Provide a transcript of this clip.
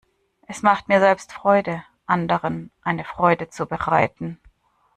Es macht mir selbst Freude, anderen eine Freude zu bereiten.